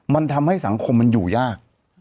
มันทำให้สังคมมันอยู่ยาก